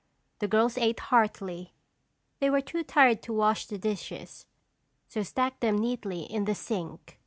The girls ate heartily. They were too tired to wash the dishes, so stacked them neatly in the sink.